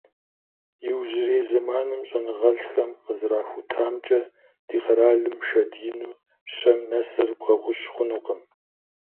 Иужьрей зэманым щӀэныгъэлӀхэм къызэрахутамкӀэ, ди къэралым шэд ину щэм нэсыр бгъэгъущ хъунукъым.